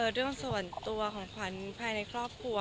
เรื่องส่วนตัวของเขาในครอบครัว